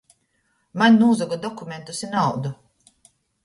Maņ nūzoga dokumentus i naudu!